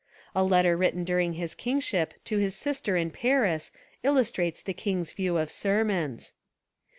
A letter written during his kingship to his sister in Paris illustrates the king's view of sermons.